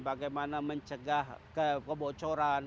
bagaimana mencegah kebocoran